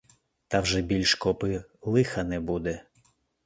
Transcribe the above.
Та вже більш копи лиха не буде!